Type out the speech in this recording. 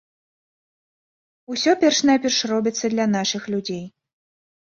Усё перш-наперш робіцца для нашых людзей.